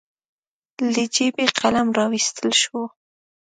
له جېبې قلم راواييستل شو.